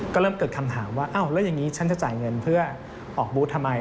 ก็เริ่มเกิดคำถามว่าอ้าวแล้วอย่างนี้ฉันจะจ่ายเงินเพื่อออกบูธทำไม